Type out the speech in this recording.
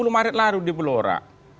sepuluh maret larut di pelora